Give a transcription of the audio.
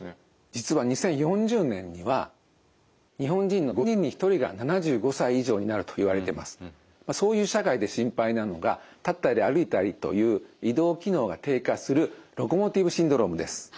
実はそういう社会で心配なのが立ったり歩いたりという移動機能が低下するロコモティブシンドロームです。